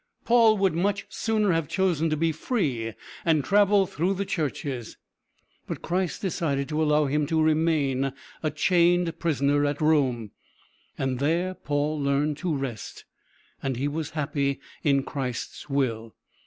Paul would much sooner have chosen to be free and travel through the churches, but Christ decided to allow him to remain a chained prisoner at Rome, and there Paul learned to rest, and he was happy in Christ's will.